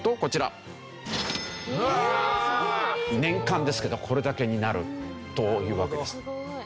年間ですけどこれだけになるというわけです。